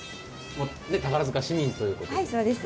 宝塚市民ということで。